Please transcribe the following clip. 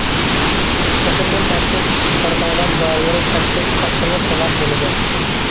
شېخىدىن تارتىپ پىشىپ سارغايغان دانلىرى تاشتەك قاتقىنى قوناق بولىدۇ.